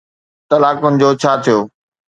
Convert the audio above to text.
طلاقن جو ڇا ٿيو؟